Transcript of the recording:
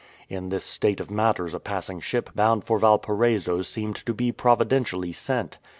In this state of matters a passing ship bound for Valparaiso seemed to be providentially sent.